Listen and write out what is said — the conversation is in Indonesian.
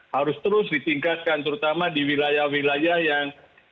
harus terus ditingkatkan terutama di wilayah wilayah yang